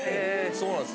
そうなんです。